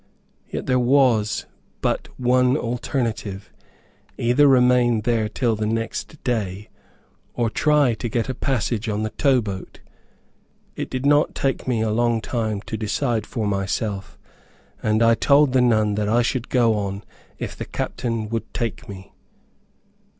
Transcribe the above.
Yet there was but one alternative; either remain there till the next day, or try to get a passage on the tow boat. It did not take me a long time to decide for myself, and I told the nun that I should go on, if the captain would take me!